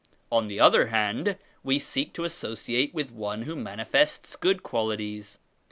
On the other hand we seek to associate with one who manifests good qualities.